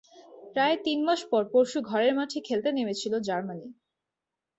প্রায় তিন মাস পর পরশু ঘরের মাঠে খেলতে নেমেছিল জার্মানি।